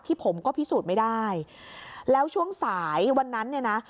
ผมก็พิสูจน์ไม่ได้แล้วช่วงสายวันนั้นเนี่ยนะ